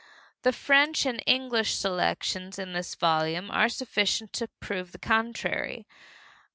The French and English selections in this volume are sufficient to prove the contrary.